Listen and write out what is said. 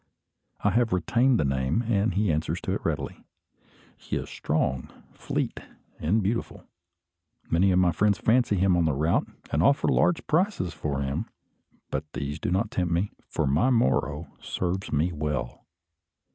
I have retained the name, and he answers to it readily. He is strong, fleet, and beautiful. Many of my friends fancy him on the route, and offer large prices for him; but these do not tempt me, for my Moro serves me well.